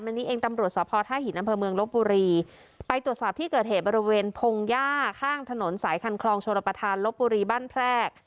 วันนี้เองตำรวจสภท่าหินอำเภอเมืองลบบุรีไปตรวจสอบที่เกิดเหตุบริเวณพงหญ้าข้างถนนสายคันคลองชนประธานลบบุรีบ้านแพรก